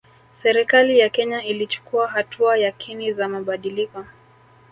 Serikali ya Kenya ilichukua hatua yakini za mabadiliko